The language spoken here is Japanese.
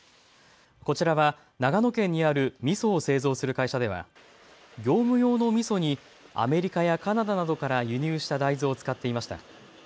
こちらは長野県にあるみそを製造する会社では業務用のみそにアメリカやカナダなどから輸入した大豆を使っていました。